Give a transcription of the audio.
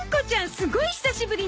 すごい久しぶりね